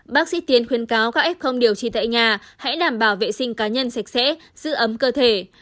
bác sĩ tiến khuyên cáo các f không điều trị tại nhà hãy đảm bảo vệ sinh cá nhân sạch sẽ giữ ấm cơ thể